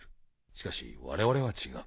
しかし我々は違う。